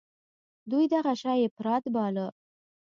دوى دغه شى اپرات باله.